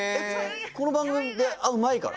この番組で会う前から？